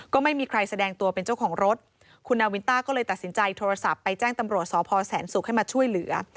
ก็ไม่มีใครแสดงตัวเป็นเจ้าของรถคุณนาวินต้าก็เลยตัดสินใจโทรศัพท์ไปแจ้งตำรวจสพแสนศุกร์ให้มาช่วยเหลือ